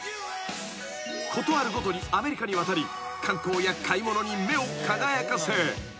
［事あるごとにアメリカに渡り観光や買い物に目を輝かせ］